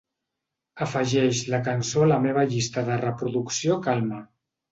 Afegeix la cançó a la meva llista de reproducció Calma.